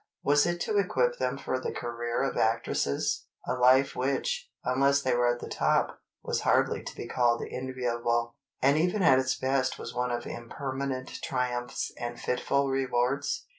Was it to equip them for the career of actresses—a life which, unless they were at the top, was hardly to be called enviable, and even at its best was one of impermanent triumphs and fitful rewards?